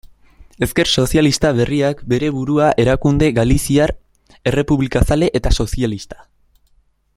Ezker Sozialista Berriak bere burua erakunde galiziar, errepublikazale eta sozialista.